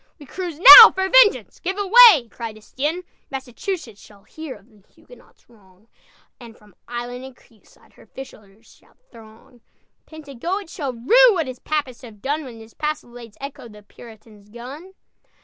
"We cruise now for vengeance! Give away!" cried Estienne. "Massachusetts shall hear Of the Huguenot's wrong, And from island and creekside Her fishers shall throng! Pentagoet shall rue What his Papists have done, When his palisades echo The Puritan's gun!"